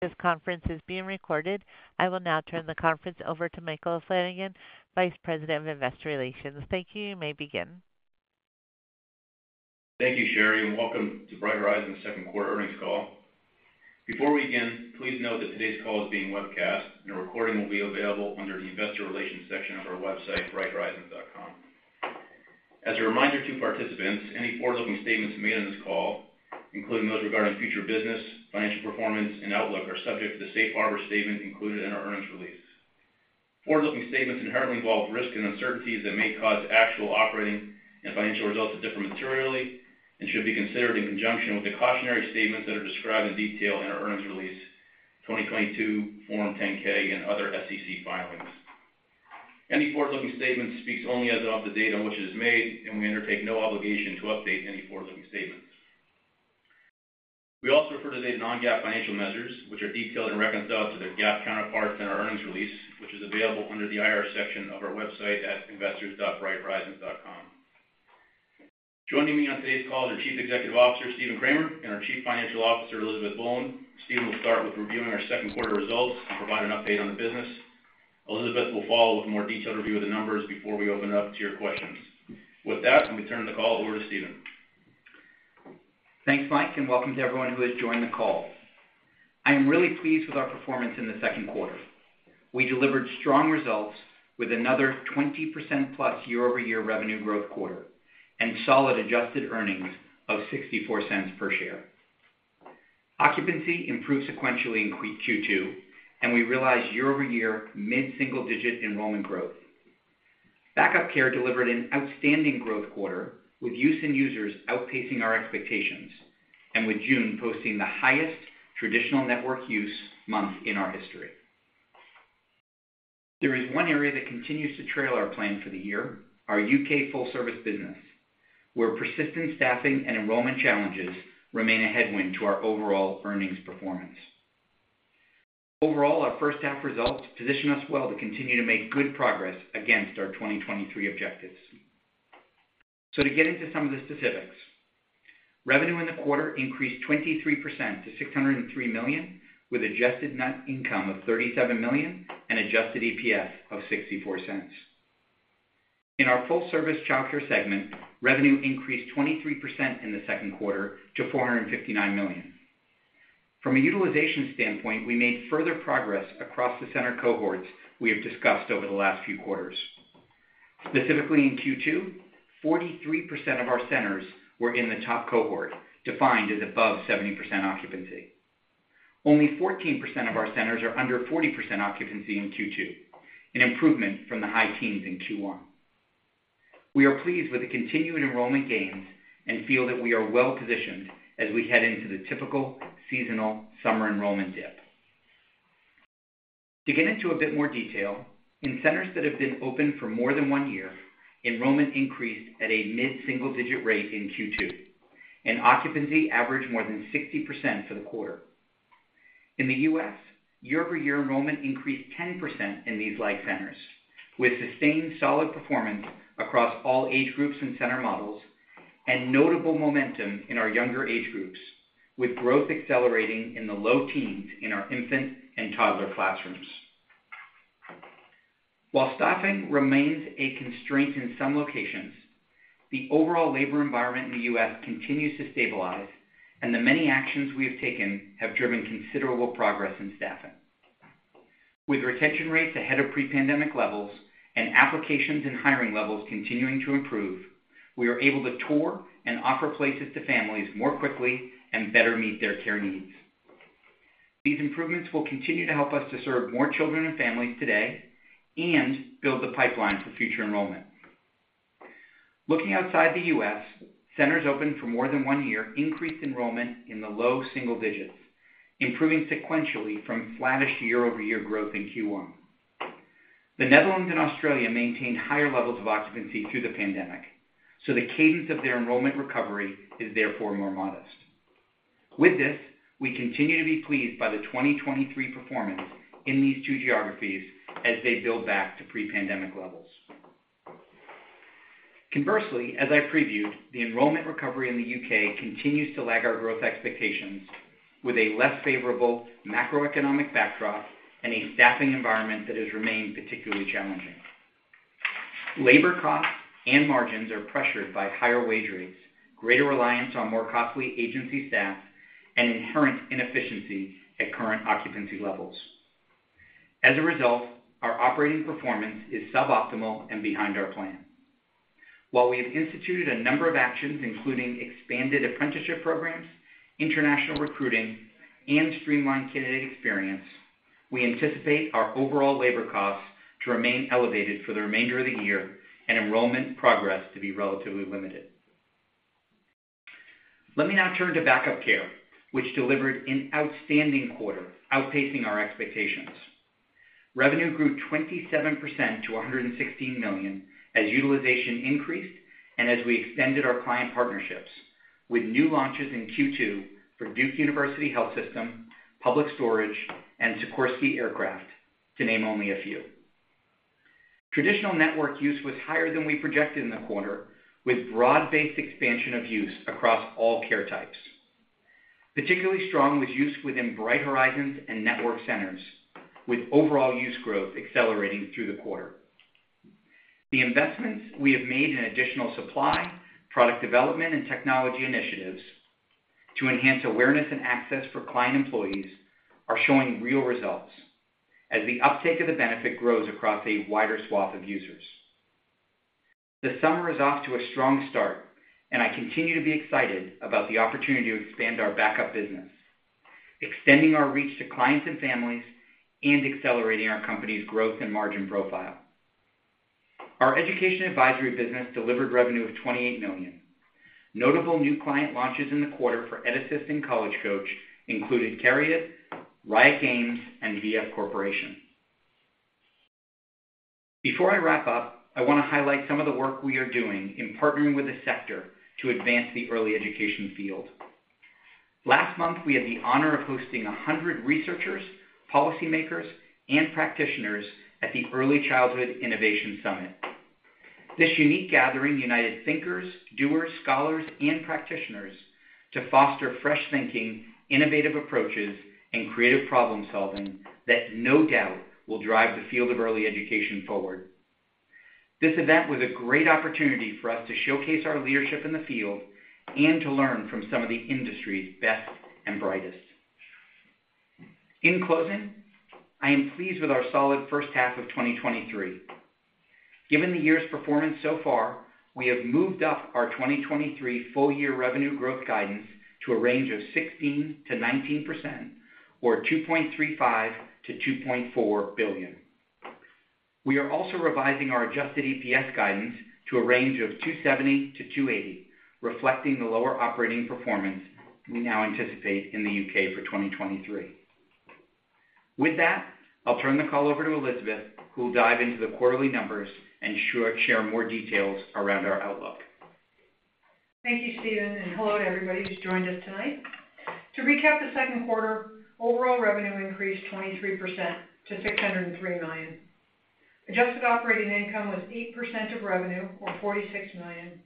This conference is being recorded. I will now turn the conference over to Michael Flanagan, Vice President of Investor Relations. Thank you. You may begin. Thank you, Sherry, and welcome to Bright Horizons' second quarter earnings call. Before we begin, please note that today's call is being webcast, and a recording will be available under the Investor Relations section of our website, brighthorizons.com. As a reminder to participants, any forward-looking statements made on this call, including those regarding future business, financial performance, and outlook, are subject to the safe harbor statement included in our earnings release. Forward-looking statements inherently involve risks and uncertainties that may cause actual operating and financial results to differ materially and should be considered in conjunction with the cautionary statements that are described in detail in our earnings release, 2022 Form 10-K, and other SEC filings. Any forward-looking statement speaks only as of the date on which it is made, and we undertake no obligation to update any forward-looking statements. We also refer to today's non-GAAP financial measures, which are detailed and reconciled to their GAAP counterparts in our earnings release, which is available under the IR section of our website at investors.brighthorizons.com. Joining me on today's call is our Chief Executive Officer, Stephen Kramer, and our Chief Financial Officer, Elizabeth Boland. Stephen will start with reviewing our second quarter results and provide an update on the business. Elizabeth will follow with a more detailed review of the numbers before we open up to your questions. With that, let me turn the call over to Stephen. Thanks, Mike, and welcome to everyone who has joined the call. I am really pleased with our performance in the second quarter. We delivered strong results with another 20%+ year-over-year revenue growth quarter and solid adjusted earnings of $0.64 per share. Occupancy improved sequentially in Q2, and we realized year-over-year mid-single-digit enrollment growth. Back-up Care delivered an outstanding growth quarter, with use and users outpacing our expectations and with June posting the highest traditional network use month in our history. There is one area that continues to trail our plan for the year, our U.K. full-service business, where persistent staffing and enrollment challenges remain a headwind to our overall earnings performance. Overall, our first half results position us well to continue to make good progress against our 2023 objectives. To get into some of the specifics, revenue in the quarter increased 23% to $603 million, with adjusted net income of $37 million and adjusted EPS of $0.64. In our full-service childcare segment, revenue increased 23% in the second quarter to $459 million. From a utilization standpoint, we made further progress across the center cohorts we have discussed over the last few quarters. Specifically, in Q2, 43% of our centers were in the top cohort, defined as above 70% occupancy. Only 14% of our centers are under 40% occupancy in Q2, an improvement from the high teens in Q1. We are pleased with the continuing enrollment gains and feel that we are well-positioned as we head into the typical seasonal summer enrollment dip. To get into a bit more detail, in centers that have been open for more than one year, enrollment increased at a mid-single-digit rate in Q2, and occupancy averaged more than 60% for the quarter. In the U.S., year-over-year enrollment increased 10% in these live centers, with sustained solid performance across all age groups and center models, and notable momentum in our younger age groups, with growth accelerating in the low teens in our infant and toddler classrooms. While staffing remains a constraint in some locations, the overall labor environment in the U.S. continues to stabilize, and the many actions we have taken have driven considerable progress in staffing. With retention rates ahead of pre-pandemic levels and applications and hiring levels continuing to improve, we are able to tour and offer places to families more quickly and better meet their care needs. These improvements will continue to help us to serve more children and families today and build the pipeline for future enrollment. Looking outside the U.S., centers open for more than one year increased enrollment in the low single digits, improving sequentially from flattish year-over-year growth in Q1. The Netherlands and Australia maintained higher levels of occupancy through the pandemic, so the cadence of their enrollment recovery is therefore more modest. With this, we continue to be pleased by the 2023 performance in these two geographies as they build back to pre-pandemic levels. Conversely, as I previewed, the enrollment recovery in the U.K. continues to lag our growth expectations, with a less favorable macroeconomic backdrop and a staffing environment that has remained particularly challenging. Labor costs and margins are pressured by higher wage rates, greater reliance on more costly agency staff, and inherent inefficiency at current occupancy levels. As a result, our operating performance is suboptimal and behind our plan. While we have instituted a number of actions, including expanded apprenticeship programs, international recruiting, and streamlined candidate experience, we anticipate our overall labor costs to remain elevated for the remainder of the year and enrollment progress to be relatively limited. Let me now turn to backup care, which delivered an outstanding quarter, outpacing our expectations. Revenue grew 27% to $116 million as utilization increased and as we extended our client partnerships with new launches in Q2 for Duke University Health System, Public Storage, and Sikorsky Aircraft, to name only a few. Traditional network use was higher than we projected in the quarter, with broad-based expansion of use across all care types. Particularly strong was use within Bright Horizons and network centers, with overall use growth accelerating through the quarter. The investments we have made in additional supply, product development, and technology initiatives to enhance awareness and access for client employees are showing real results as the uptake of the benefit grows across a wider swath of users. The summer is off to a strong start, and I continue to be excited about the opportunity to expand our backup business, extending our reach to clients and families, and accelerating our company's growth and margin profile. Our education advisory business delivered revenue of $28 million. Notable new client launches in the quarter for EdAssist and College Coach included uncertain, Riot Games, and VF Corporation. Before I wrap up, I want to highlight some of the work we are doing in partnering with the sector to advance the early education field. Last month, we had the honor of hosting 100 researchers, policymakers, and practitioners at the Early Childhood Innovation Summit. This unique gathering united thinkers, doers, scholars, and practitioners to foster fresh thinking, innovative approaches, and creative problem-solving that no doubt will drive the field of early education forward. This event was a great opportunity for us to showcase our leadership in the field and to learn from some of the industry's best and brightest. In closing, I am pleased with our solid first half of 2023. Given the year's performance so far, we have moved up our 2023 full-year revenue growth guidance to a range of 16%-19%, or $2.35 billion-$2.4 billion. We are also revising our adjusted EPS guidance to a range of $2.70-$2.80, reflecting the lower operating performance we now anticipate in the U.K. for 2023. With that, I'll turn the call over to Elizabeth, who will dive into the quarterly numbers and share more details around our outlook. Thank you, Stephen. Hello to everybody who's joined us tonight. To recap, the second quarter, overall revenue increased 23% to $603 million. Adjusted operating income was 8% of revenue, or $46 million,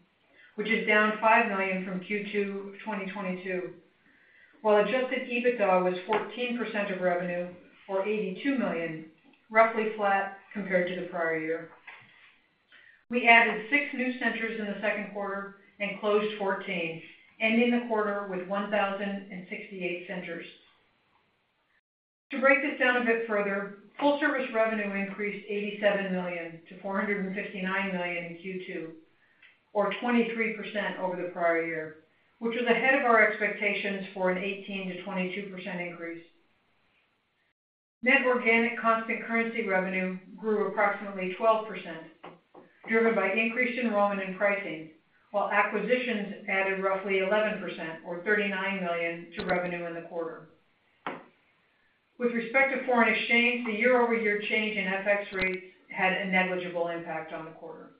which is down $5 million from Q2 of 2022, while adjusted EBITDA was 14% of revenue, or $82 million, roughly flat compared to the prior year. We added 6 new centers in the second quarter and closed 14, ending the quarter with 1,068 centers. To break this down a bit further, full-service revenue increased $87 million to $459 million in Q2, or 23% over the prior year, which was ahead of our expectations for an 18%-22% increase. Net organic constant currency revenue grew approximately 12%, driven by increased enrollment and pricing, while acquisitions added roughly 11%, or $39 million, to revenue in the quarter. With respect to foreign exchange, the year-over-year change in FX rates had a negligible impact on the quarter.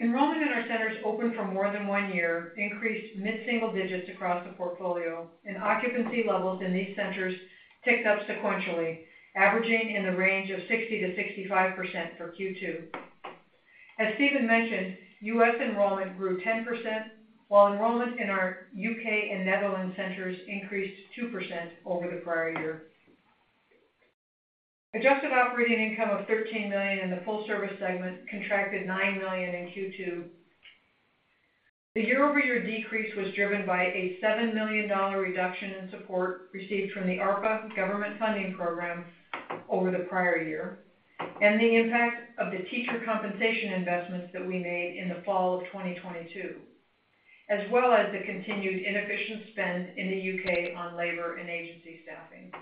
Enrollment in our centers open for more than one year increased mid-single digits across the portfolio, and occupancy levels in these centers ticked up sequentially, averaging in the range of 60%-65% for Q2. As Stephen mentioned, U.S. enrollment grew 10%, while enrollment in our U.K. and Netherlands centers increased 2% over the prior year. Adjusted operating income of $13 million in the full-service segment contracted $9 million in Q2. The year-over-year decrease was driven by a $7 million reduction in support received from the ARPA government funding program over the prior year, and the impact of the teacher compensation investments that we made in the fall of 2022, as well as the continued inefficient spend in the UK on labor and agency staffing.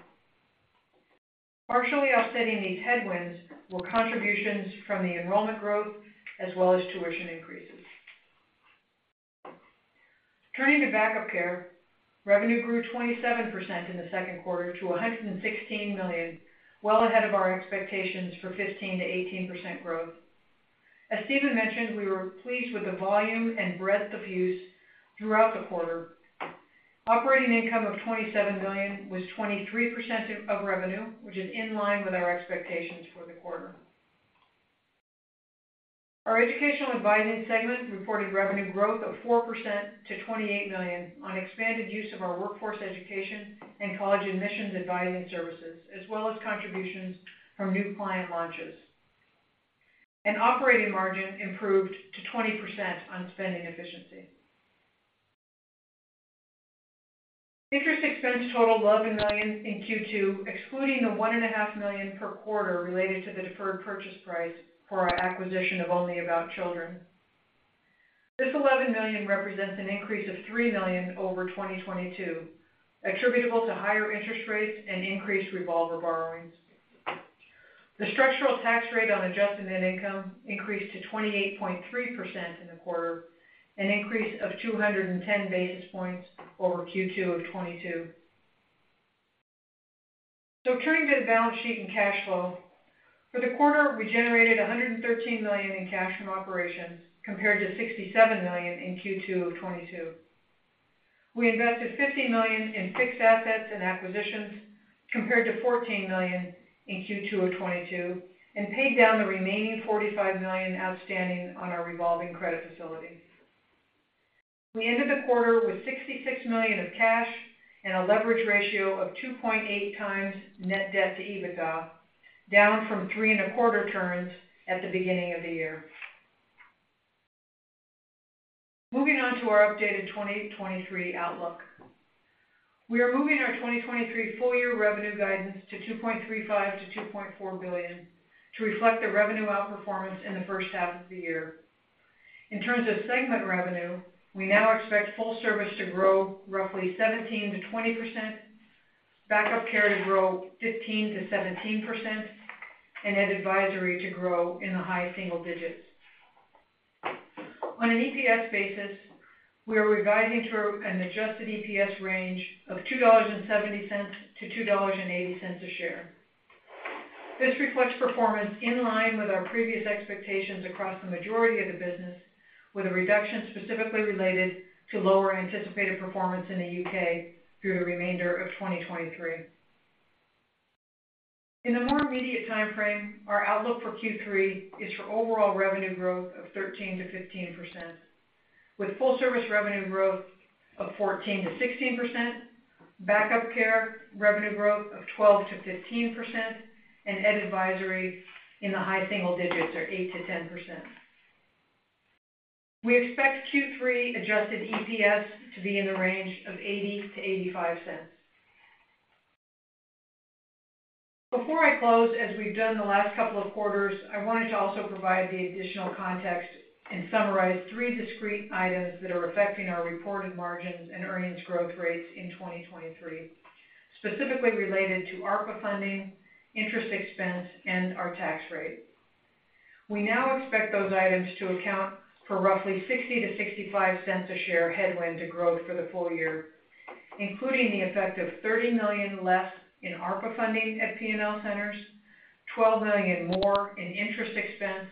Partially offsetting these headwinds were contributions from the enrollment growth as well as tuition increases. Turning to back-up care, revenue grew 27% in the second quarter to $116 million, well ahead of our expectations for 15%-18% growth. As Stephen mentioned, we were pleased with the volume and breadth of use throughout the quarter. Operating income of $27 million was 23% of revenue, which is in line with our expectations for the quarter. Our educational advising segment reported revenue growth of 4% to $28 million on expanded use of our workforce education and college admissions advising services, as well as contributions from new client launches. Operating margin improved to 20% on spending efficiency. Interest expense totaled $11 million in Q2, excluding the $1.5 million per quarter related to the deferred purchase price for our acquisition of Only About Children. This $11 million represents an increase of $3 million over 2022, attributable to higher interest rates and increased revolver borrowings. The structural tax rate on adjusted net income increased to 28.3% in the quarter, an increase of 210 basis points over Q2 of 2022. Turning to the balance sheet and cash flow. For the quarter, we generated $113 million in cash from operations, compared to $67 million in Q2 of 2022. We invested $50 million in fixed assets and acquisitions compared to $14 million in Q2 of 2022, and paid down the remaining $45 million outstanding on our revolving credit facility. We ended the quarter with $66 million of cash and a leverage ratio of 2.8x net debt to EBITDA, down from 3.25 turns at the beginning of the year. Moving on to our updated 2023 outlook. We are moving our 2023 full-year revenue guidance to $2.35 billion-$2.4 billion, to reflect the revenue outperformance in the first half of the year. In terms of segment revenue, we now expect full service to grow roughly 17%-20%, backup care to grow 15%-17%, and Ed Advisory to grow in the high single digits. On an EPS basis, we are guiding through an adjusted EPS range of $2.70-$2.80 a share. This reflects performance in line with our previous expectations across the majority of the business, with a reduction specifically related to lower anticipated performance in the U.K. through the remainder of 2023. In the more immediate time frame, our outlook for Q3 is for overall revenue growth of 13%-15%, with full service revenue growth of 14%-16%, backup care revenue growth of 12%-15%, and Ed Advisory in the high single digits or 8%-10%. We expect Q3 adjusted EPS to be in the range of $0.80-$0.85. Before I close, as we've done the last couple of quarters, I wanted to also provide the additional context and summarize three discrete items that are affecting our reported margins and earnings growth rates in 2023, specifically related to ARPA funding, interest expense, and our tax rate. We now expect those items to account for roughly $0.60-$0.65 a share headwind to growth for the full year, including the effect of $30 million less in ARPA funding at P&L Centers, $12 million more in interest expense,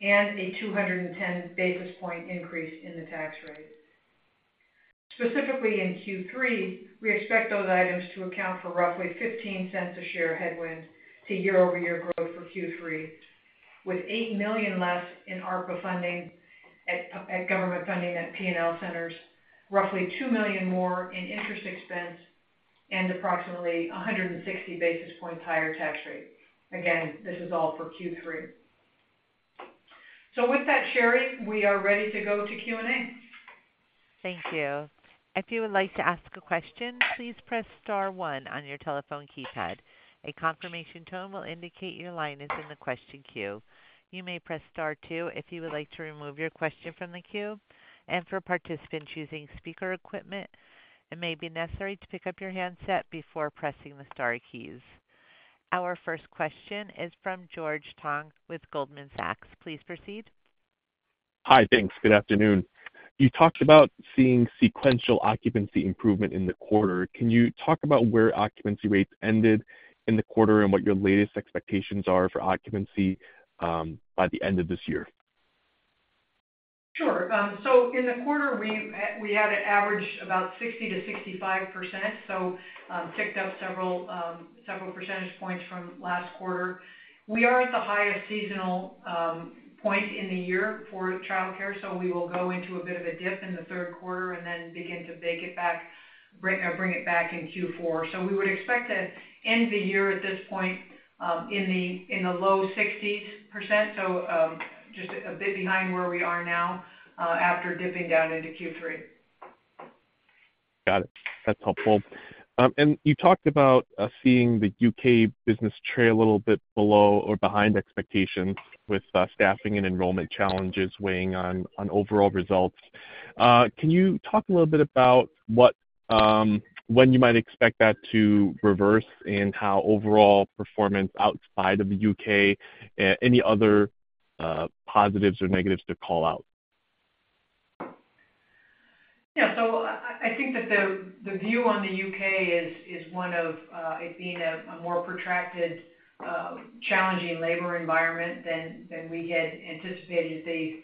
and a 210 basis point increase in the tax rate. Specifically, in Q3, we expect those items to account for roughly $0.15 a share headwind to year-over-year growth for Q3, with $8 million less in $8 million less in ARPA funding at P&L Centers, roughly $2 million more in interest expense, and approximately 160 basis points higher tax rate. Again, this is all for Q3. With that, Sherry, we are ready to go to Q&A. Thank you. If you would like to ask a question, please press star one on your telephone keypad. A confirmation tone will indicate your line is in the question queue. You may press Star two if you would like to remove your question from the queue, and for participants using speaker equipment, it may be necessary to pick up your handset before pressing the star keys. Our first question is from George Tong with Goldman Sachs. Please proceed. Hi, thanks. Good afternoon. You talked about seeing sequential occupancy improvement in the quarter. Can you talk about where occupancy rates ended in the quarter and what your latest expectations are for occupancy by the end of this year? Sure. In the quarter, we, we had an average about 60%-65%, ticked up several percentage points from last quarter. We are at the highest seasonal point in the year for childcare, so we will go into a bit of a dip in the third quarter and then begin to begin to bring it back in Q4. We would expect to end the year at this point in the low 60s%. Just a bit behind where we are now, after dipping down into Q3. Got it. That's helpful. You talked about seeing the UK business trail a little bit below or behind expectations with staffing and enrollment challenges weighing on, on overall results. Can you talk a little bit about when you might expect that to reverse and how overall performance outside of the UK, any other, positives or negatives to call out? I, I think that the, the view on the UK is, is one of it being a more protracted, challenging labor environment than we had anticipated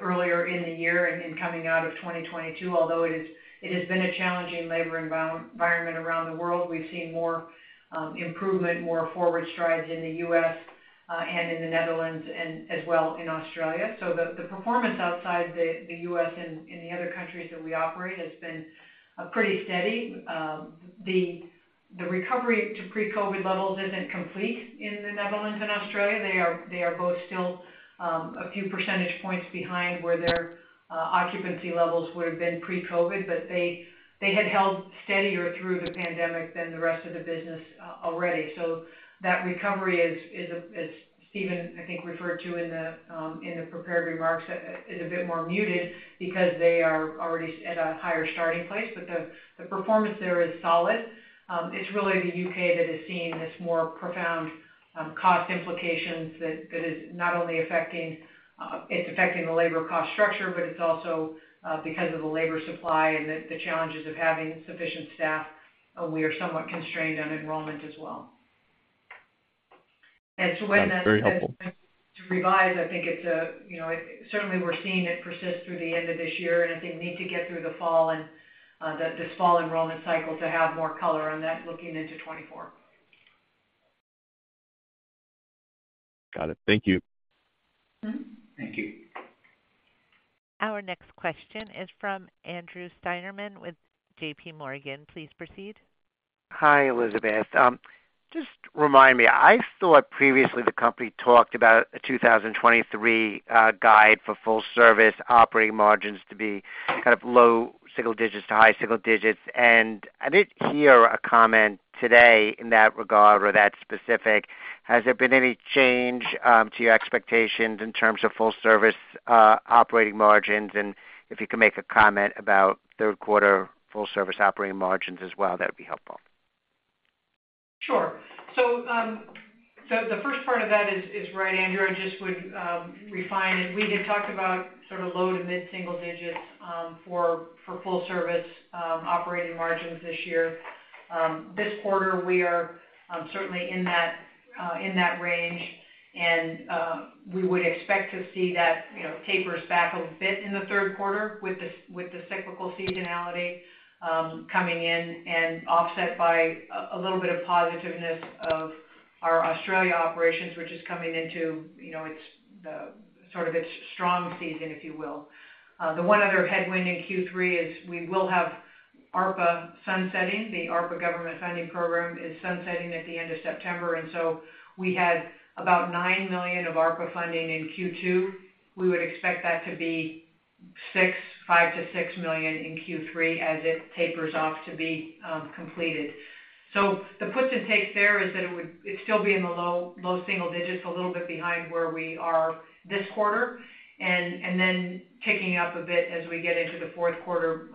earlier in the year and then coming out of 2022. Although it has, it has been a challenging labor environment around the world. We've seen more improvement, more forward strides in the US, and in the Netherlands and as well in Australia. The, the performance outside the, the US and, and the other countries that we operate has been pretty steady. The, the recovery to pre-COVID levels isn't complete in the Netherlands and Australia. They are, they are both still a few percentage points behind where their occupancy levels would have been pre-COVID, but they, they had held steadier through the pandemic than the rest of the business already. That recovery is, is, as Stephen, I think, referred to in the prepared remarks, is a bit more muted because they are already at a higher starting place. The, the performance there is solid. It's really the U.K. that is seeing this more profound cost implications that, that is not only affecting, it's affecting the labor cost structure, but it's also because of the labor supply and the, the challenges of having sufficient staff, we are somewhat constrained on enrollment as well. When that's- Very helpful. to revise, I think it's a, you know, certainly we're seeing it persist through the end of this year, and I think we need to get through the fall and this fall enrollment cycle to have more color on that looking into 2024. Got it. Thank you. Mm-hmm. Thank you. Our next question is from Andrew Steinerman with J.P. Morgan. Please proceed. Hi, Elizabeth. Just remind me, I thought previously the company talked about a 2023 guide for full service operating margins to be kind of low single-digits to high single-digits, and I didn't hear a comment today in that regard or that specific. Has there been any change to your expectations in terms of full service operating margins? If you can make a comment about third quarter full service operating margins as well, that would be helpful. Sure. The first part of that is, is right, Andrew. I just would refine it. We had talked about sort of low to mid single digits for full service operating margins this year. This quarter, we are certainly in that in that range, and we would expect to see that, you know, taper us back a bit in the third quarter with the cyclical seasonality coming in and offset by a little bit of positiveness of our Australia operations, which is coming into, you know, its, the sort of its strong season, if you will. The one other headwind in Q3 is we will have ARPA sunsetting. The ARPA government funding program is sunsetting at the end of September. We had about $9 million of ARPA funding in Q2. We would expect that to be $5 million-$6 million in Q3 as it tapers off to be completed. The puts and takes there is that it'd still be in the low, low single digits, a little bit behind where we are this quarter, and then ticking up a bit as we get into the fourth quarter,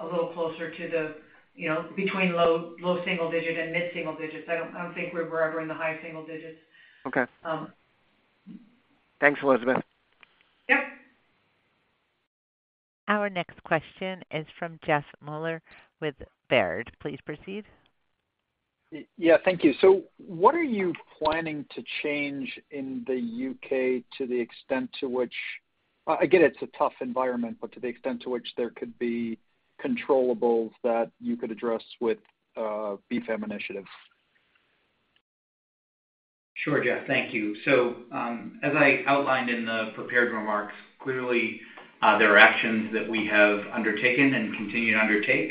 a little closer to the, you know, between low, low single digit and mid-single digits. I don't, I don't think we're ever in the high single digits. Okay. Um. Thanks, Elizabeth. Yep. Our next question is from Jeff Meuler with Baird. Please proceed. Yeah, thank you. what are you planning to change in the U.K. to the extent to which... I get it's a tough environment, but to the extent to which there could be controllables that you could address with uncertain? Sure, Jeff, thank you. As I outlined in the prepared remarks, clearly, there are actions that we have undertaken and continue to undertake.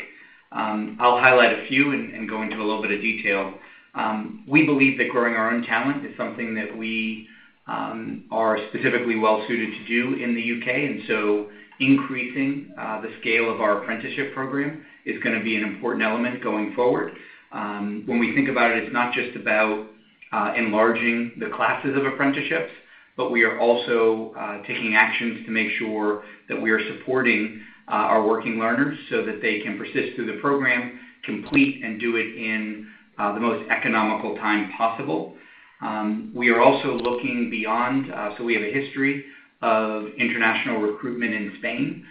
I'll highlight a few and, and go into a little bit of detail. We believe that growing our own talent is something that we are specifically well suited to do in the UK, and so increasing the scale of our apprenticeship program is gonna be an important element going forward. When we think about it, it's not just about enlarging the classes of apprenticeships, but we are also taking actions to make sure that we are supporting our working learners so that they can persist through the program, complete, and do it in the most economical time possible. We are also looking beyond, so we have a history of international recruitment in Spain.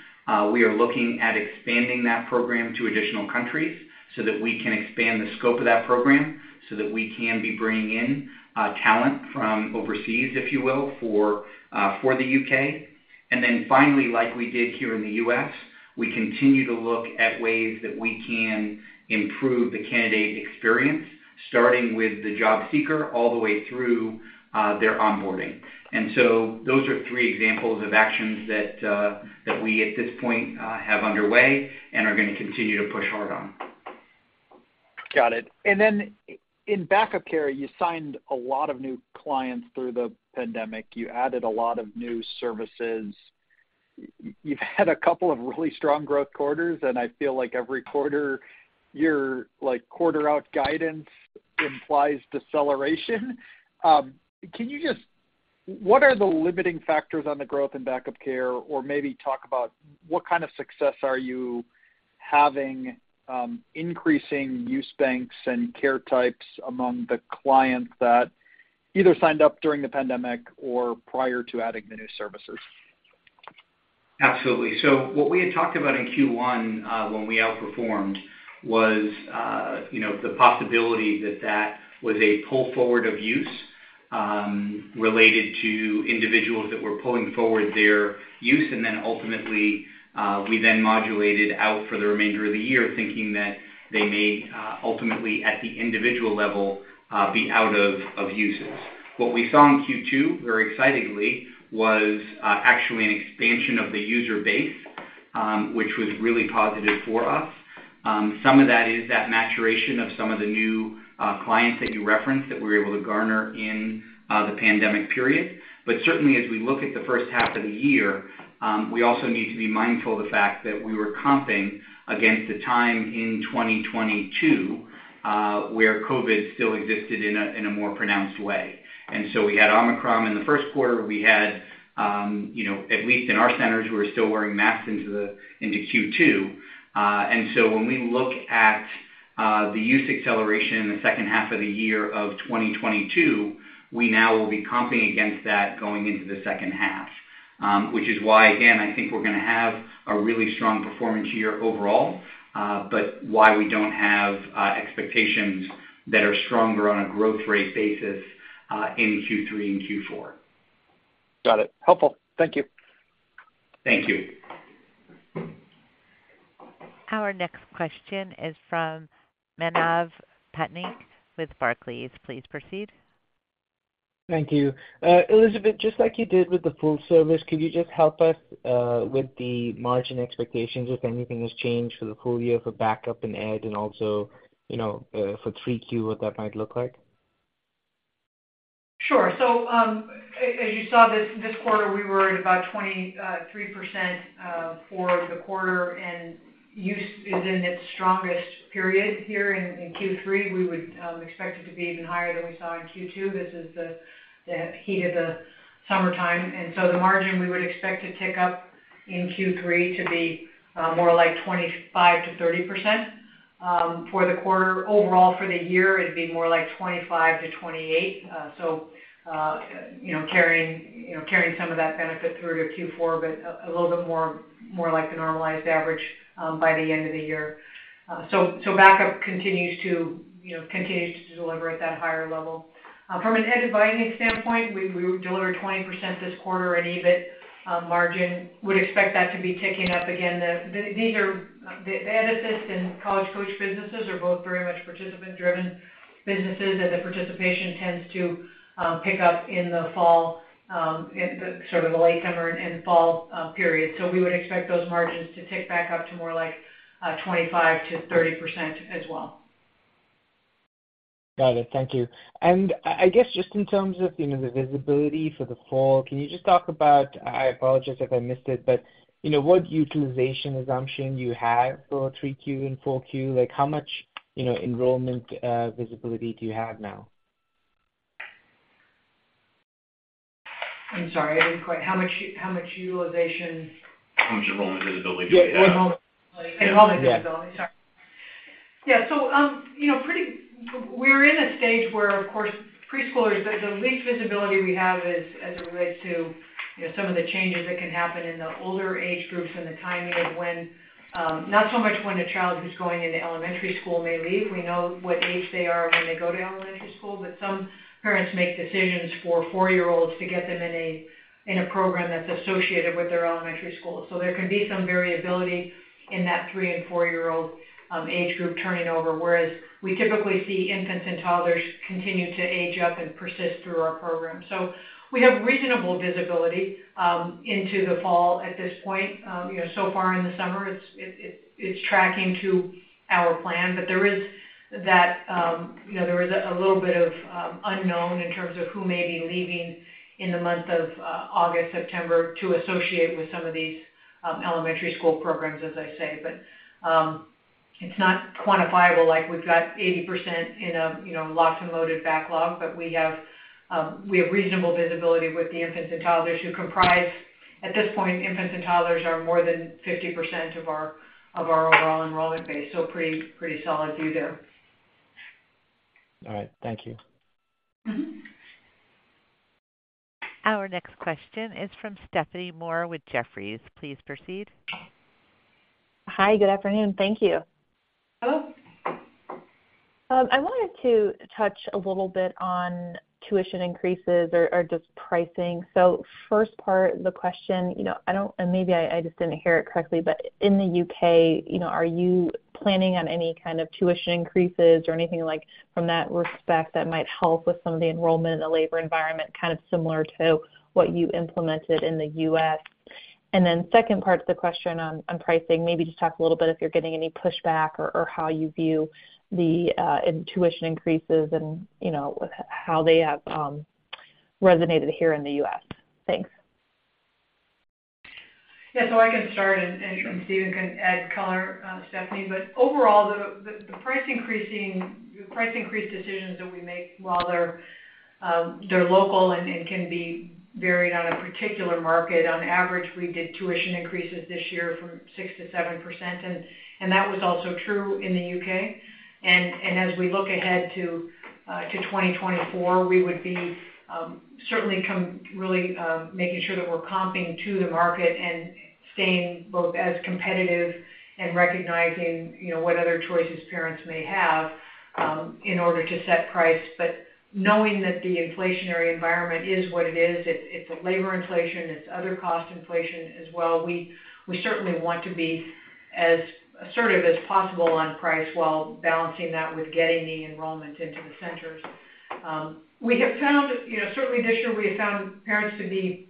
We are looking at expanding that program to additional countries so that we can expand the scope of that program, so that we can be bringing in talent from overseas, if you will, for the U.K. Finally, like we did here in the U.S., we continue to look at ways that we can improve the candidate experience, starting with the job seeker, all the way through their onboarding. So those are three examples of actions that we at this point have underway and are gonna continue to push hard on. Got it. In backup care, you signed a lot of new clients through the pandemic. You added a lot of new services. You've had a couple of really strong growth quarters, and I feel like every quarter, your, like, quarter-out guidance implies deceleration. Can you what are the limiting factors on the growth in backup care? Maybe talk about what kind of success are you having, increasing use banks and care types among the clients that either signed up during the pandemic or prior to adding the new services? Absolutely. What we had talked about in Q1, when we outperformed was, you know, the possibility that that was a pull forward of use, related to individuals that were pulling forward their use, and then ultimately, we then modulated out for the remainder of the year, thinking that they may, ultimately, at the individual level, be out of, of uses. What we saw in Q2, very excitingly, was actually an expansion of the user base, which was really positive for us. Some of that is that maturation of some of the new clients that you referenced that we were able to garner in the pandemic period. Certainly, as we look at the first half of the year, we also need to be mindful of the fact that we were comping against a time in 2022, where COVID still existed in a, in a more pronounced way. So we had Omicron in the first quarter. We had, you know, at least in our centers, we were still wearing masks into Q2. So when we look at the use acceleration in the second half of the year of 2022, we now will be comping against that going into the second half. Which is why, again, I think we're going to have a really strong performance year overall, but why we don't have expectations that are stronger on a growth rate basis, in Q3 and Q4. Got it. Helpful. Thank you. Thank you. Our next question is from Manav Patnaik with Barclays. Please proceed. Thank you. Elizabeth, just like you did with the full service, could you just help us with the margin expectations, if anything has changed for the full year for backup and Ed, and also, you know, for 3Q, what that might look like? Sure. As you saw this, this quarter, we were at about 23% for the quarter. Use is in its strongest period here in Q3. We would expect it to be even higher than we saw in Q2. This is the heat of the summertime, the margin we would expect to tick up in Q3 to be more like 25%-30% for the quarter. Overall, for the year, it'd be more like 25%-28%. You know, carrying, you know, carrying some of that benefit through to Q4, but a little bit more, more like the normalized average by the end of the year. Backup continues to, you know, continues to deliver at that higher level. From an Ed advisory standpoint, we, we delivered 20% this quarter, an EBIT margin. Would expect that to be ticking up again. These are, the EdAssist and College Coach businesses are both very much participant-driven businesses, and the participation tends to pick up in the fall, in the sort of the late summer and fall period. We would expect those margins to tick back up to more like 25%-30% as well. Got it. Thank you. I, I guess, just in terms of, you know, the visibility for the fall, can you just talk about, I apologize if I missed it, but, you know, what utilization assumption do you have for 3Q and 4Q? Like, how much, you know, enrollment visibility do you have now? I'm sorry, I didn't quite. How much how much utilization? How much enrollment visibility do we have? Yeah, enrollment. Enrollment visibility. Yeah. Sorry. Yeah, so, you know, We're in a stage where, of course, preschoolers, the least visibility we have is as it relates to, you know, some of the changes that can happen in the older age groups and the timing of when, not so much when a child who's going into elementary school may leave. We know what age they are when they go to elementary school, but some parents make decisions for 4-year-olds to get them in a program that's associated with their elementary school. There can be some variability in that 3- and 4-year-old age group turning over, whereas we typically see infants and toddlers continue to age up and persist through our program. We have reasonable visibility into the fall at this point. You know, so far in the summer, it's tracking to our plan, but there is that, you know, there is a little bit of unknown in terms of who may be leaving in the month of August, September to associate with some of these elementary school programs, as I say. It's not quantifiable, like we've got 80% in a, you know, locked and loaded backlog, but we have reasonable visibility with the infants and toddlers who comprise. At this point, infants and toddlers are more than 50% of our overall enrollment base, so pretty, pretty solid view there. All right. Thank you. Mm-hmm. Our next question is from Stephanie Moore with Jefferies. Please proceed. Hi, good afternoon. Thank you. Hello. I wanted to touch a little bit on tuition increases or, just pricing. First part, the question, you know, I don't and maybe I just didn't hear it correctly, but in the U.K., you know, are you planning on any kind of tuition increases or anything like, from that respect, that might help with some of the enrollment in the labor environment, kind of similar to what you implemented in the U.S.? Second part of the question on pricing, maybe just talk a little bit if you're getting any pushback or, how you view the tuition increases and, you know, how they have resonated here in the U.S. Thanks. Yeah, I can start- Sure. Stephen can add color, Stephanie. Overall, the, the, the price increasing, the price increase decisions that we make, while they're local and can be varied on a particular market, on average, we did tuition increases this year from 6%-7%, and that was also true in the U.K. As we look ahead to 2024, we would be certainly making sure that we're comping to the market and staying both as competitive and recognizing, you know, what other choices parents may have in order to set price. Knowing that the inflationary environment is what it is, it's a labor inflation, it's other cost inflation as well, we certainly want to be as assertive as possible on price while balancing that with getting the enrollment into the centers. We have found, you know, certainly this year, we have found parents to be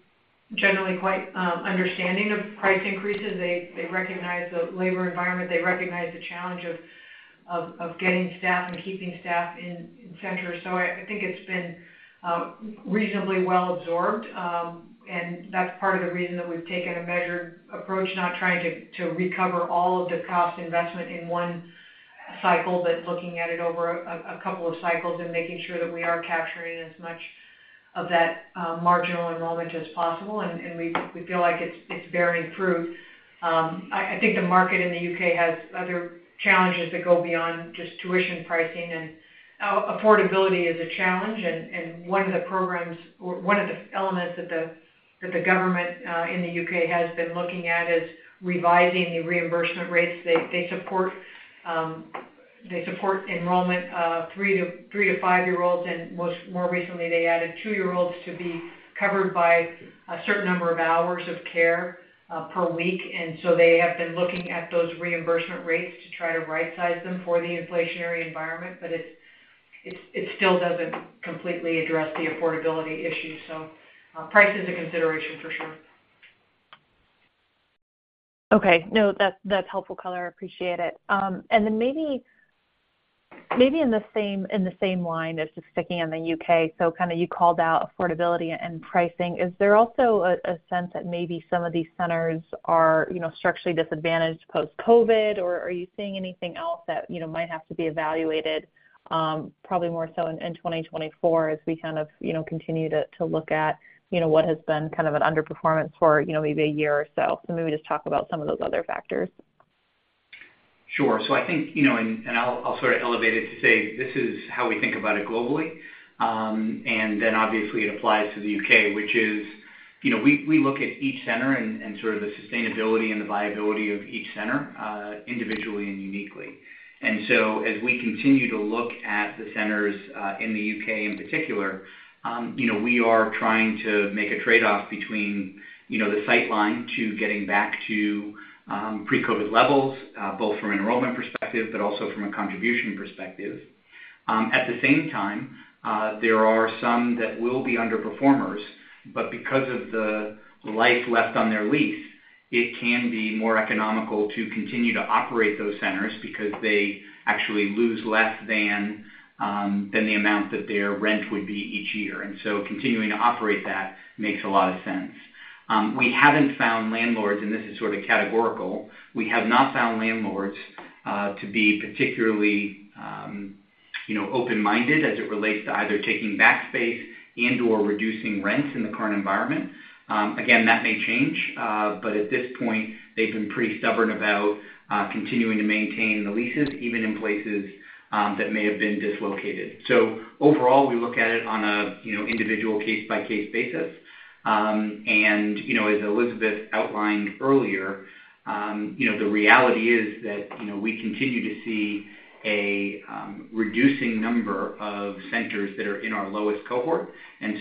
generally quite understanding of price increases. They, they recognize the labor environment, they recognize the challenge of, of, of getting staff and keeping staff in, in centers. I, I think it's been reasonably well absorbed, and that's part of the reason that we've taken a measured approach, not trying to, to recover all of the cost investment in one cycle, but looking at it over a couple of cycles and making sure that we are capturing as much of that marginal enrollment as possible, and, and we, we feel like it's, it's bearing fruit. I, I think the market in the U.K. has other challenges that go beyond just tuition pricing, and affordability is a challenge. One of the programs, or one of the elements that the government in the UK has been looking at is revising the reimbursement rates. They support enrollment of three- to five-year-olds, and most more recently, they added two-year-olds to be covered by a certain number of hours of care per week. They have been looking at those reimbursement rates to try to right-size them for the inflationary environment. It still doesn't completely address the affordability issue, so price is a consideration for sure. Okay. No, that's, that's helpful color. I appreciate it. And then maybe, maybe in the same, in the same line, just sticking in the UK, so kind of you called out affordability and pricing. Is there also a, a sense that maybe some of these centers are, you know, structurally disadvantaged post-COVID, or are you seeing anything else that, you know, might have to be evaluated, probably more so in, in 2024, as we kind of, you know, continue to, to look at, you know, what has been kind of an underperformance for, you know, maybe a year or so? Maybe just talk about some of those other factors. Sure. I think, you know, I'll, I'll sort of elevate it to say this is how we think about it globally, and then obviously it applies to the UK, which is, you know, we, we look at each center and, and sort of the sustainability and the viability of each center individually and uniquely. As we continue to look at the centers in the UK in particular, you know, we are trying to make a trade-off between, you know, the sightline to getting back to pre-COVID levels, both from an enrollment perspective, but also from a contribution perspective. At the same time, there are some that will be underperformers, but because of the life left on their lease, it can be more economical to continue to operate those centers because they actually lose less than the amount that their rent would be each year. So continuing to operate that makes a lot of sense. We haven't found landlords, and this is sort of categorical, we have not found landlords to be particularly, you know, open-minded as it relates to either taking back space and/or reducing rents in the current environment. Again, that may change, but at this point, they've been pretty stubborn about continuing to maintain the leases, even in places that may have been dislocated. Overall, we look at it on a, you know, individual case-by-case basis. You know, as Elizabeth outlined earlier, you know, the reality is that, you know, we continue to see a reducing number of centers that are in our lowest cohort,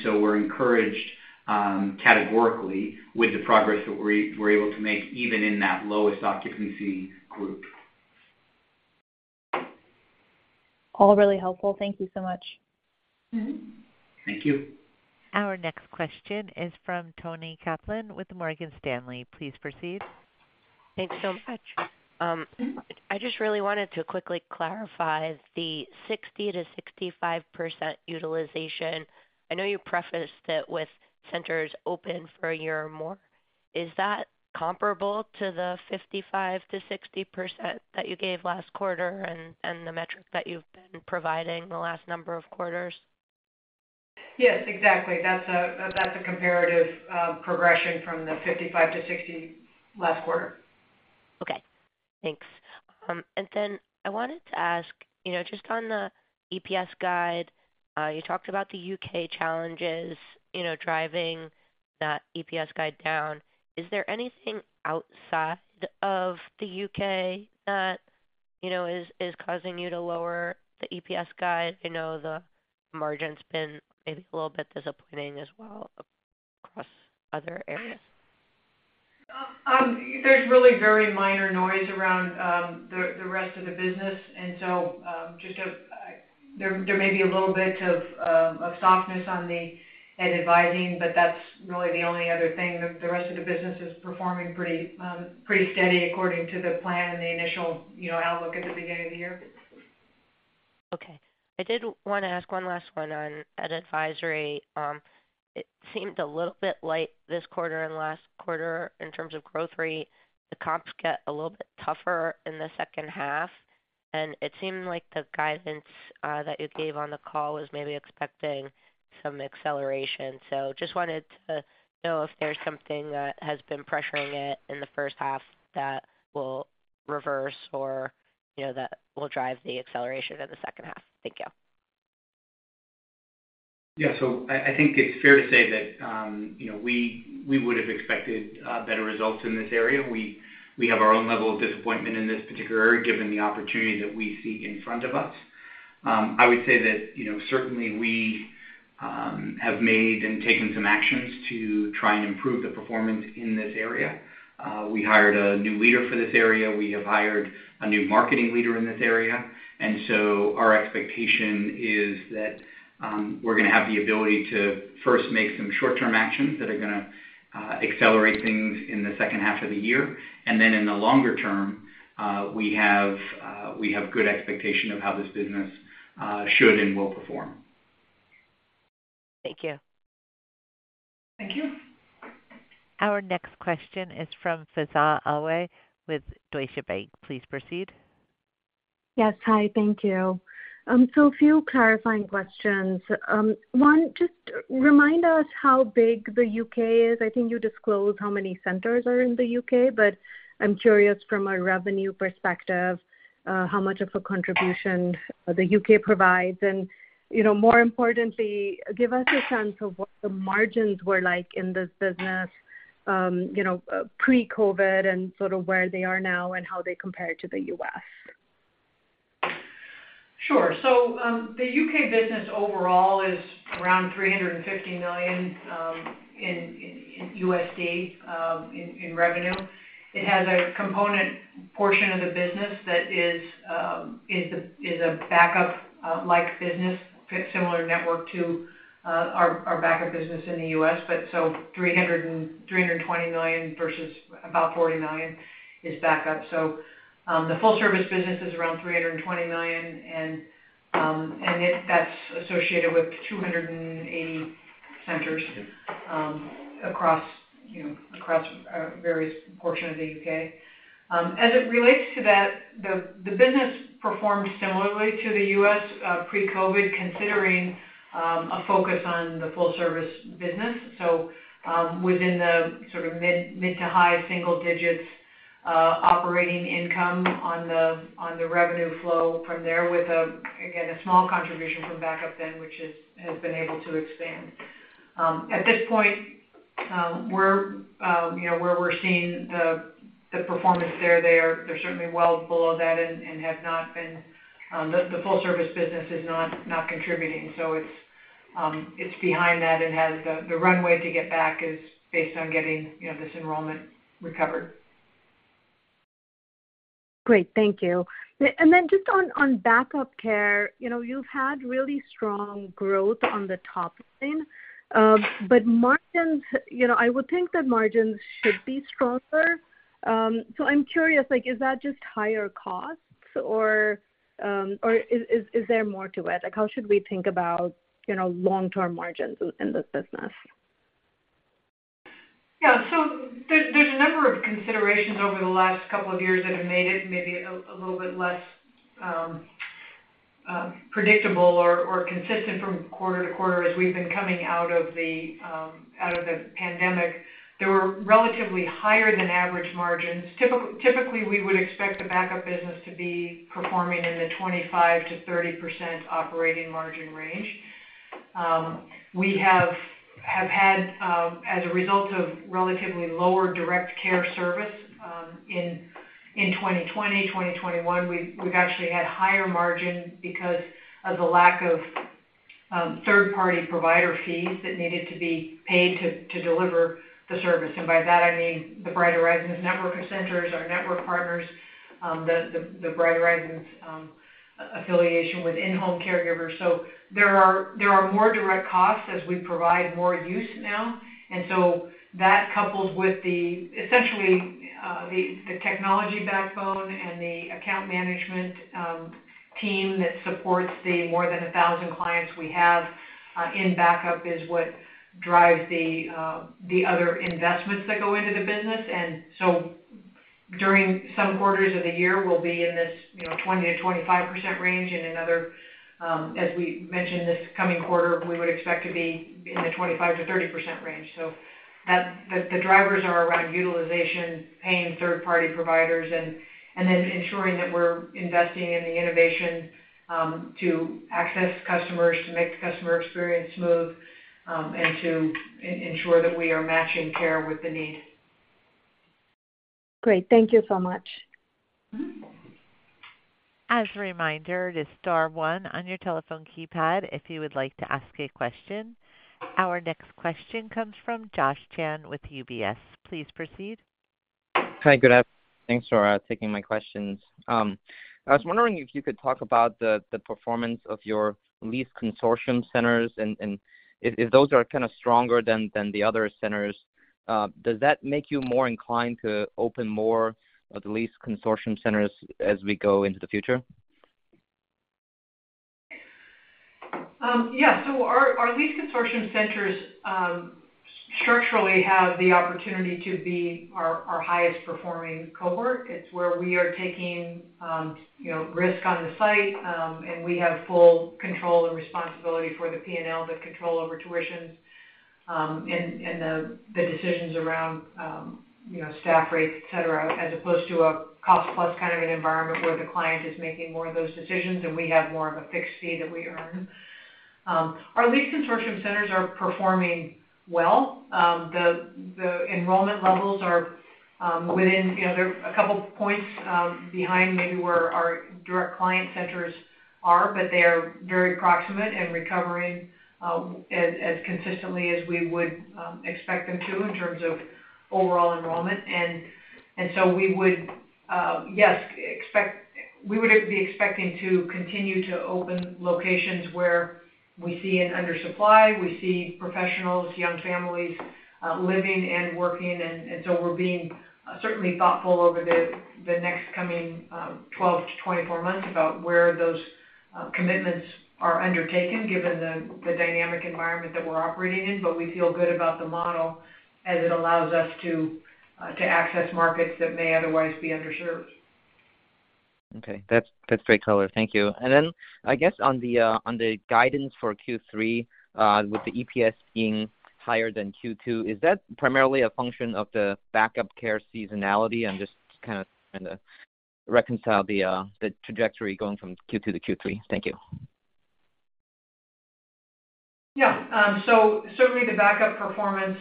so we're encouraged, categorically with the progress that we're, we're able to make, even in that lowest occupancy group. All really helpful. Thank you so much. Mm-hmm. Thank you. Our next question is from Toni Kaplan with Morgan Stanley. Please proceed. Thanks so much. I just really wanted to quickly clarify the 60%-65% utilization. I know you prefaced it with centers open for a year or more. Is that comparable to the 55%-60% that you gave last quarter and, and the metric that you've been providing the last number of quarters? Yes, exactly. That's a comparative progression from the 55 to 60 last quarter. Okay, thanks. Then I wanted to ask, you know, just on the EPS guide, you talked about the U.K. challenges, you know, driving that EPS guide down. Is there anything outside of the U.K. that, you know, is, is causing you to lower the EPS guide? I know the margin's been maybe a little bit disappointing as well across other areas. There's really very minor noise around the rest of the business, and so, there may be a little bit of softness on the Ed advising, but that's really the only other thing. The rest of the business is performing pretty steady according to the plan and the initial, you know, outlook at the beginning of the year. Okay. I did wanna ask one last one on Ed advisory. It seemed a little bit light this quarter and last quarter in terms of growth rate. The comps get a little bit tougher in the second half. It seemed like the guidance that you gave on the call was maybe expecting some acceleration. Just wanted to know if there's something that has been pressuring it in the first half that will reverse or, you know, that will drive the acceleration in the second half. Thank you. Yeah. I, I think it's fair to say that, you know, we, we would have expected better results in this area. We, we have our own level of disappointment in this particular area, given the opportunity that we see in front of us. I would say that, you know, certainly we have made and taken some actions to try and improve the performance in this area. We hired a new leader for this area. We have hired a new marketing leader in this area. Our expectation is that we're gonna have the ability to first make some short-term actions that are gonna accelerate things in the second half of the year. In the longer term, we have good expectation of how this business should and will perform. Thank you. Thank you. Our next question is from Faiza Alwy with Deutsche Bank. Please proceed. Yes. Hi, thank you. A few clarifying questions. 1, just remind us how big the U.K. is. I think you disclosed how many centers are in the U.K., but I'm curious from a revenue perspective, how much of a contribution the U.K. provides? You know, more importantly, give us a sense of what the margins were like in this business, you know, pre-COVID and sort of where they are now and how they compare to the U.S. Sure. The U.K. business overall is around $350 million in revenue. It has a component portion of the business that is a backup like business, similar network to our backup business in the U.S. $320 million versus about $40 million is backup. The full service business is around $320 million, and that's associated with 280 centers across, you know, across a various portion of the U.K. As it relates to that, the business performed similarly to the U.S. pre-COVID, considering a focus on the full service business. Within the sort of mid, mid to high single digits, operating income on the, on the revenue flow from there, with, again, a small contribution from backup then, which has been able to expand. At this point, we're, you know, where we're seeing the, the performance there, they are, they're certainly well below that and, and have not been. The, the full service business is not, not contributing, so it's, it's behind that and has the, the runway to get back is based on getting, you know, this enrollment recovered. Great. Thank you. Then just on, on backup care, you know, you've had really strong growth on the top line. Margins, you know, I would think that margins should be stronger. I'm curious, like, is that just higher costs, or, or is, is, is there more to it? Like, how should we think about, you know, long-term margins in, in this business? There's a number of considerations over the last couple of years that have made it maybe a little bit less predictable or consistent from quarter to quarter as we've been coming out of the pandemic. There were relatively higher than average margins. Typically, we would expect the backup business to be performing in the 25%-30% operating margin range. We have had, as a result of relatively lower direct care service, in 2020, 2021, we've actually had higher margin because of the lack of third-party provider fees that needed to be paid to deliver the service. By that I mean the Bright Horizons network of centers, our network partners, the Bright Horizons affiliation with in-home caregivers. There are, there are more direct costs as we provide more use now, and that couples with the essentially, the technology backbone and the account management team that supports the more than 1,000 clients we have in backup is what drives the other investments that go into the business. During some quarters of the year, we'll be in this, you know, 20%-25% range, and another, as we mentioned, this coming quarter, we would expect to be in the 25%-30% range. The drivers are around utilization, paying third-party providers, and then ensuring that we're investing in the innovation to access customers, to make the customer experience smooth, and to ensure that we are matching care with the need. Great. Thank you so much. Mm-hmm. As a reminder, it is star one on your telephone keypad if you would like to ask a question. Our next question comes from Joshua Chan with UBS. Please proceed. Hi, good after. Thanks for taking my questions. I was wondering if you could talk about the performance of your lease consortium centers, and if those are kind of stronger than the other centers, does that make you more inclined to open more of the lease consortium centers as we go into the future? Yeah. Our, our lease consortium centers, structurally have the opportunity to be our, our highest performing cohort. It's where we are taking, you know, risk on the site, and we have full control and responsibility for the P&L, the control over tuitions, and, and the, the decisions around, you know, staff rates, et cetera, as opposed to a cost-plus kind of an environment where the client is making more of those decisions and we have more of a fixed fee that we earn. Our lease consortium centers are performing well. The, the enrollment levels are, within, you know, they're a couple points, behind maybe where our direct client centers are, but they are very proximate and recovering, as, as consistently as we would, expect them to in terms of overall enrollment. We would be expecting to continue to open locations where we see an undersupply, we see professionals, young families, living and working. We're being certainly thoughtful over the, the next coming, 12-24 months about where those commitments are undertaken, given the, the dynamic environment that we're operating in. We feel good about the model as it allows us to access markets that may otherwise be underserved. Okay. That's, that's great color. Thank you. Then, I guess, on the, on the guidance for Q3, with the EPS being higher than Q2, is that primarily a function of the back-up care seasonality? I'm just kinda trying to reconcile the, the trajectory going from Q2 to Q3. Thank you. Certainly, the backup performance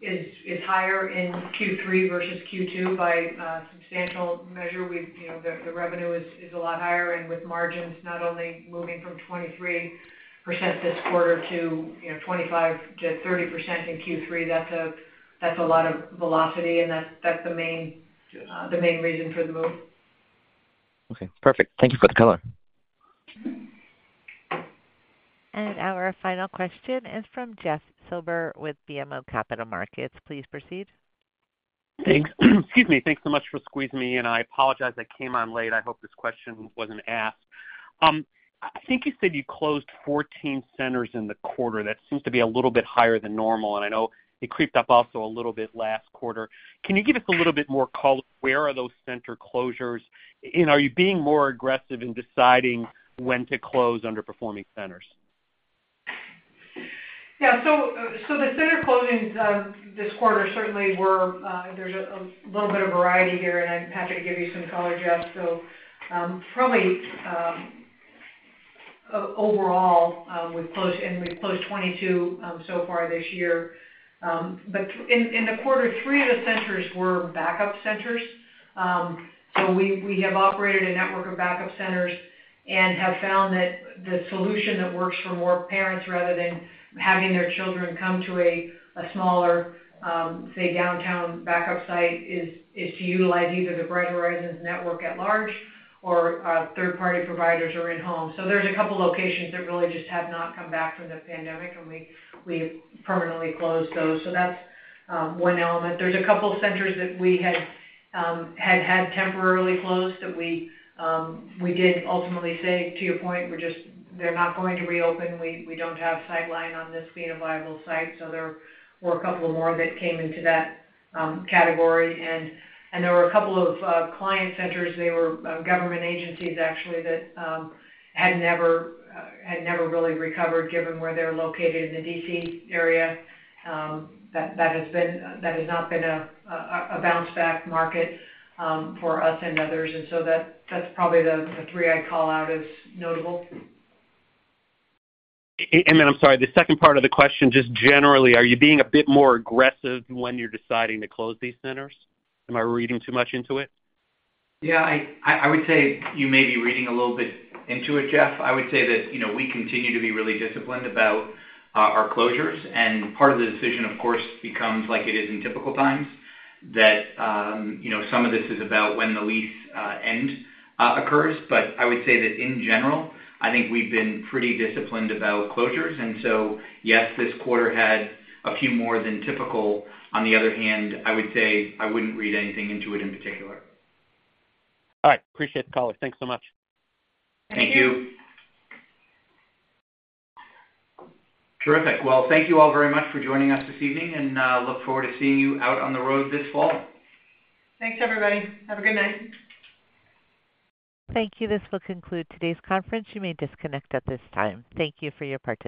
is higher in Q3 versus Q2 by a substantial measure. You know, the revenue is a lot higher, with margins not only moving from 23% this quarter to, you know, 25%-30% in Q3, that's a lot of velocity, and that's the main reason for the move. Okay, perfect. Thank you for the color. Our final question is from Jeffrey Silber with BMO Capital Markets. Please proceed. Thanks. Excuse me. Thanks so much for squeezing me in, I apologize I came on late. I hope this question wasn't asked. I think you said you closed 14 centers in the quarter. That seems to be a little bit higher than normal, and I know it creeped up also a little bit last quarter. Can you give us a little bit more color? Where are those center closures, and are you being more aggressive in deciding when to close underperforming centers? Yeah. The center closings this quarter certainly were, there's a little bit of variety here, and I'm happy to give you some color, Jeff. Overall, we've closed, and we've closed 22 so far this year. In the quarter, 3 of the centers were backup centers. We, we have operated a network of backup centers and have found that the solution that works for more parents, rather than having their children come to a smaller, say, downtown backup site, is to utilize either the Bright Horizons network at large or third-party providers or in-home. There's a couple locations that really just have not come back from the pandemic, and we, we've permanently closed those. That's 1 element. There's a couple of centers that we had, had, had temporarily closed that we did ultimately say, to your point, we're just, they're not going to reopen. We, we don't have sightline on this being a viable site, so there were a couple of more that came into that category. There were a couple of client centers, they were government agencies, actually, that had never really recovered, given where they're located in the D.C. area. That, that has been. That has not been a, a bounce back market for us and others. That, that's probably the, the three I'd call out as notable. Then, I'm sorry, the second part of the question, just generally, are you being a bit more aggressive when you're deciding to close these centers? Am I reading too much into it? Yeah, I, I would say you may be reading a little bit into it, Jeff. I would say that, you know, we continue to be really disciplined about our closures. Part of the decision, of course, becomes like it is in typical times, that, you know, some of this is about when the lease end occurs. I would say that in general, I think we've been pretty disciplined about closures. So, yes, this quarter had a few more than typical. On the other hand, I would say I wouldn't read anything into it in particular. All right. Appreciate the call. Thanks so much. Thank you. Thank you. Terrific. Well, thank you all very much for joining us this evening, and look forward to seeing you out on the road this fall. Thanks, everybody. Have a good night. Thank you. This will conclude today's conference. You may disconnect at this time. Thank you for your participation.